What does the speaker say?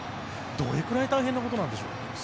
どれくらい大変なことなんでしょう？